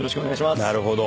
なるほど。